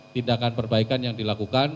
tindakan perbaikan yang dilakukan